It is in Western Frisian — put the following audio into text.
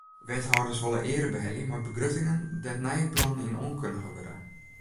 Wethâlders wolle eare behelje mei begruttingen dêr't nije plannen yn oankundige wurde.